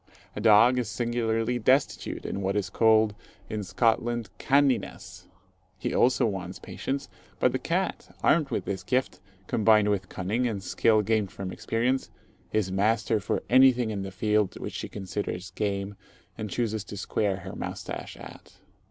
A dog is singularly destitute in what is called in Scotland, "canniness." He also wants patience; but the cat, armed with this gift, combined with cunning, and skill gained from experience, is master for anything in the field which she considers game and chooses to square her moustache at.